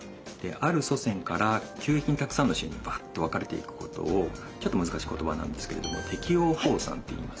ある祖先から急激にたくさんの種にばっと分かれていくことをちょっと難しい言葉なんですけれども適応放散っていいます。